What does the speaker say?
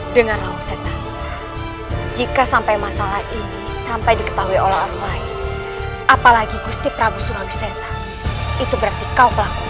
dengarlah ustazah jika sampai masalah ini sampai diketahui oleh orang lain apalagi gusti prabu surawisesa itu berarti kau pelakunya